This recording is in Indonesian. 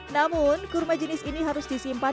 namun kurma jenis ini harus disimpan